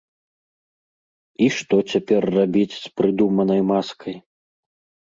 І што цяпер рабіць з прыдуманай маскай?